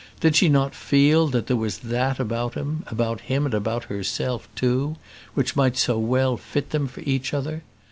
Did she not feel that there was that about him, about him and about herself, too, which might so well fit them for each other?